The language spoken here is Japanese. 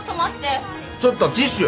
ちょっとティッシュ。